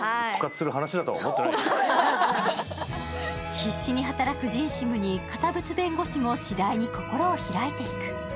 必死に働くジンシムに堅物弁護士も次第に心を開いていく。